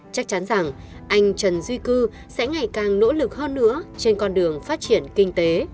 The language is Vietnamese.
chắc chắn rằng anh trần duy cư sẽ ngày càng nỗ lực hơn nữa trên con đường phát triển kinh tế